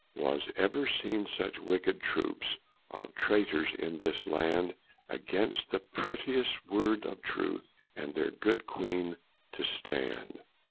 Was ever seen such wicked troopes Of traytors in this land, Against the pretious woord of truthe, And their good Queene to stand?